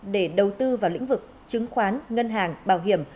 để đầu tư vào lĩnh vực chứng khoán ngân hàng bảo hiểm